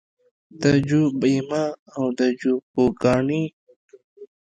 د جو بیمه او د جو پوکاڼې